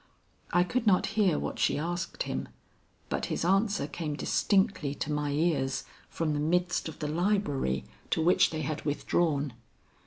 I could not hear what she asked him, but his answer came distinctly to my ears from the midst of the library to which they had withdrawn.